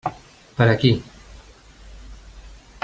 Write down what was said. Per aquí.